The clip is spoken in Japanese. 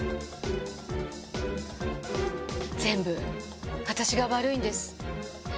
全部私が悪いんです。